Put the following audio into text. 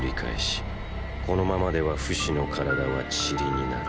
このままではフシの体は塵になる。